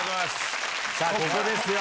さぁここですよ。